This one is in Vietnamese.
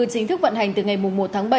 chính thức vận hành từ ngày một tháng bảy